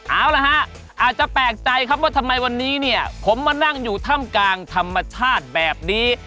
เอาละฮะอาจจะแปลกใจครับว่าทำไมวันนี้เนี่ยผมมานั่งอยู่ถ้ำกลางธรรมชาติแบบนี้